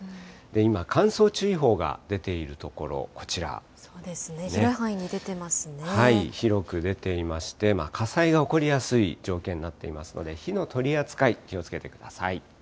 今、乾燥注意報が出ている所、そうですね、広い範囲に出て広く出ていまして、火災が起こりやすい条件になっていますので、火の取り扱い、気をつけてください。